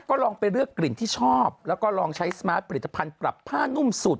ก็ลองไปเลือกกลิ่นที่ชอบแล้วก็ลองใช้สมาร์ทผลิตภัณฑ์ปรับผ้านุ่มสุด